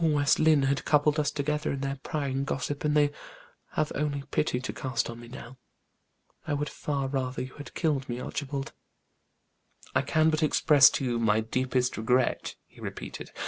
"All West Lynne had coupled us together in their prying gossip, and they have only pity to cast on me now. I would far rather you have killed me, Archibald." "I can but express to you my deep regret," he repeated.